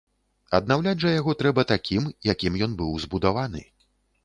Аднаўляць жа яго трэба такім, якім ён быў збудаваны.